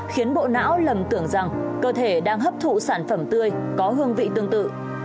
khiến bộ não lầm tưởng rằng cơ thể đang hấp thụ sản phẩm tươi có hương vị tương tự